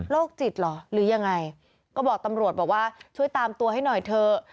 จิตเหรอหรือยังไงก็บอกตำรวจบอกว่าช่วยตามตัวให้หน่อยเถอะ